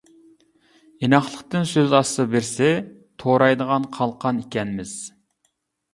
ئىناقلىقتىن سۆز ئاچسا بىرسى، تورايدىغان «قالقان» ئىكەنمىز.